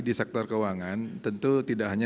di sektor keuangan tentu tidak hanya